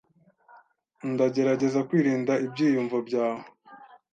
Ndagerageza kwirinda ibyiyumvo byawe.